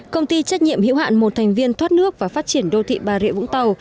công ty trách nhiệm hữu hạn một thành viên thoát nước và phát triển đô thị bà rịa vũng tàu